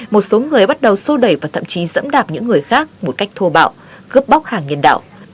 một số người bắt đầu xô đẩy và thậm chí dẫm đạp những người khác một cách thô bạo cướp bóc hàng nhân đạo